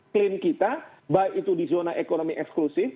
klaim kita baik itu di zona ekonomi eksklusif